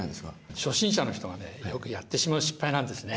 初心者の人がねよくやってしまう失敗なんですね。